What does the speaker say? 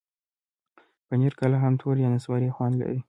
پنېر کله هم تور یا نسواري خوند لري.